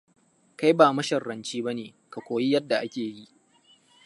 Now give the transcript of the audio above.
Kai ba masharranci bane, ka koyi yadda ake yi.